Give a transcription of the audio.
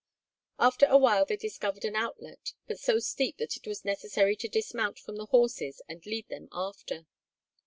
After a while they discovered an outlet but so steep that it was necessary to dismount from the horses and lead them after.